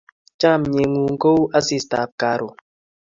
Chamyengung ko u asistab karon